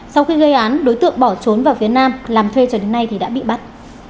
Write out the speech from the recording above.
sau khi gây án đối tượng bỏ trốn vào phía nam làm thuê cho đến nay thì đã bị bắt